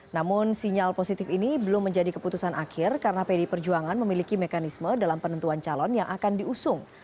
namun sinyal positif ini belum menjadi keputusan akhir karena pdi perjuangan memiliki mekanisme dalam penentuan calon yang akan diusung